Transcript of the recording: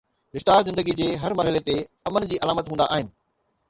رشتا زندگيءَ جي هر مرحلي تي امن جي علامت هوندا آهن.